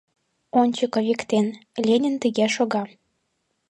Ончыко виктен, Ленин тыге шога.